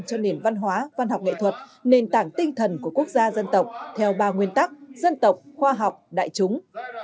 cho nền văn hóa văn học nghệ thuật nền tảng tinh thần của quốc gia dân tộc theo ba nguyên tắc dân tộc khoa học đại chúng